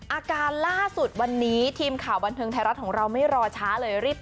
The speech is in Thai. อาการล่าสุดวันนี้ทีมข่าวบันเทิงไทยรัฐของเราไม่รอช้าเลยรีบ